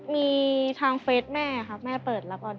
มีทางเฟสแม่ค่ะแม่เปิดรับออเดอร์